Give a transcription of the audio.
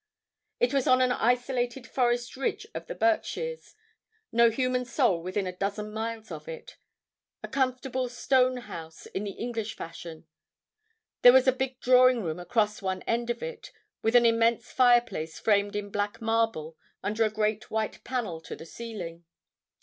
It was on an isolated forest ridge of the Berkshires, no human soul within a dozen miles of it—a comfortable stone house in the English fashion. There was a big drawing room across one end of it, with an immense fireplace framed in black marble under a great white panel to the ceiling.